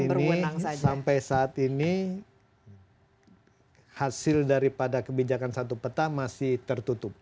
ini sampai saat ini hasil daripada kebijakan satu peta masih tertutup